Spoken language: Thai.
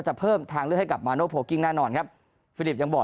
จะเพิ่มทางเลือกให้กับมาโนโพลกิ้งแน่นอนครับฟิลิปยังบอก